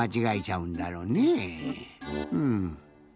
うん。